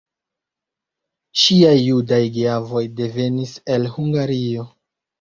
Ŝiaj judaj geavoj devenis el Hungario.